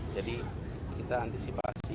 jadi kita antisipasi